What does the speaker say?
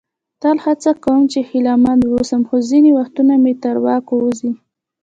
تل هڅه کوم چې هیله مند واوسم، خو ځینې وختونه مې تر واک ووزي.